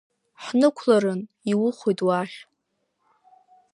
Ҳнықәларын, иухоит уахь…